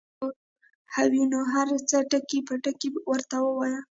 که یو څوک وپوهوې نو هر څه ټکي په ټکي ورته ووایه.